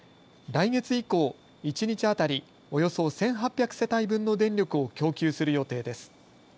来月以降、一日当たりおよそ１８００世帯分の電力を供給する予定です。